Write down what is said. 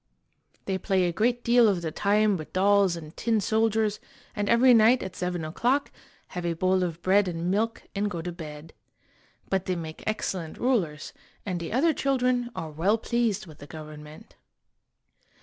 They play a great deal of the time with dolls and tin soldiers, and every night at seven o'clock have a bowl of bread and milk and go to bed. But they make excellent rulers, and the other children are well pleased with the government.